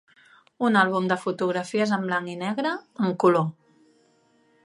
Un àlbum de fotografies en blanc i negre, en color.